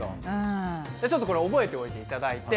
ちょっとこれを覚えておいていただいて。